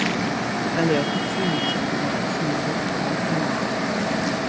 Але афіцыйнай інфармацыі на гэты конт няма.